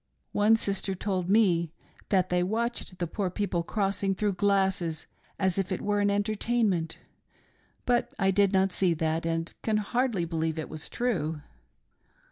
One sister told me that they watched the poor people crossing, through glasses, as if it were an entertainment, but I did not see that, and can hardly believe it was true.